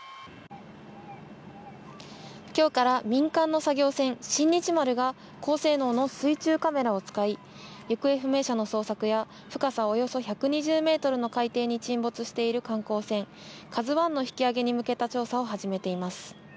今日から民間の作業船「新日丸」が高性能の水中カメラを使い行方不明者の捜索や深さ１２０ｍの海底に沈んでいる観光船「ＫＡＺＵ１」の引き上げに向けた調査を始めています。